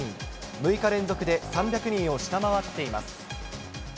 ６日連続で３００人を下回っています。